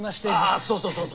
あっそうそうそう。